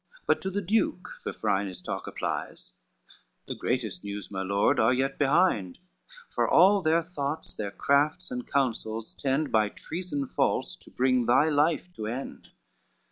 But to the Duke Vafrine his talk applies, "The greatest news, my lord, are yet behind, For all their thoughts, their crafts and counsels tend By treason false to bring thy life to end."